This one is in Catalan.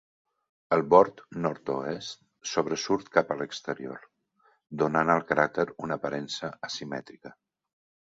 El bord nord-oest sobresurt cap a l'exterior, donant al cràter una aparença asimètrica.